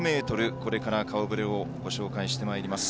これから顔ぶれをご紹介してまいります。